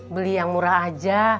beli yang murah aja